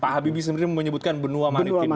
pak habibie sendiri menyebutkan benua maritim istilahnya